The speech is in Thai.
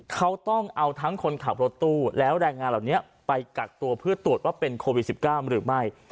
เขาต้องเอาทั้งคนขับรถตู้แล้วแรงงานเหล่านี้ไปกักตัวเพื่อตรวจว่าเป็นโควิด๑๙หรือไม่